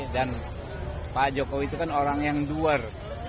dan pak jokowi itu kan orang yang duer